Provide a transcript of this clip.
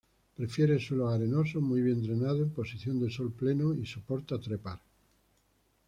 Prefiere suelos arenosos, muy bien drenado, en posición de sol pleno, y soporta trepar.